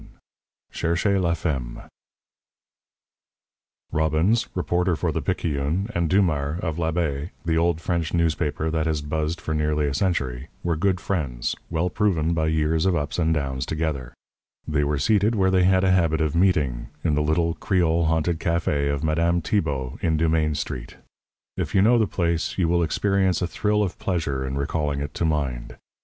XI CHERCHEZ LA FEMME Robbins, reporter for the Picayune, and Dumars, of L'Abeille the old French newspaper that has buzzed for nearly a century were good friends, well proven by years of ups and downs together. They were seated where they had a habit of meeting in the little, Creole haunted café of Madame Tibault, in Dumaine Street. If you know the place, you will experience a thrill of pleasure in recalling it to mind.